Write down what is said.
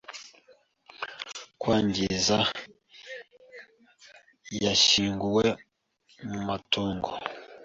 kwangiza yashyinguwe mu matongo